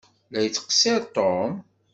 La yettqeṣṣiṛ Tom?